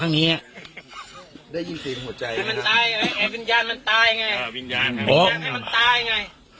ถ้างี้ได้ยินภาพใจตายเองภายในยากน้ำตายอย่างเงี้ย